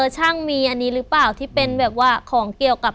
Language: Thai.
ช่างมีอันนี้หรือเปล่าที่เป็นแบบว่าของเกี่ยวกับ